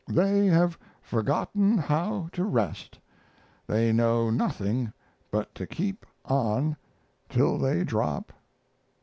They have forgotten how to rest. They know nothing but to keep on till they drop."